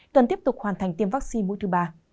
cần tiếp tục hoàn thành tiêm vaccine mũi thứ ba